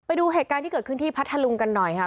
ไปดูเหตุการณ์ที่เกิดขึ้นที่พัทธลุงกันหน่อยค่ะ